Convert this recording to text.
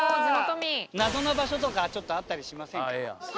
謎の場所とかちょっとあったりしませんか？